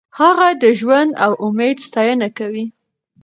هغه د ژوند او امید ستاینه کوي.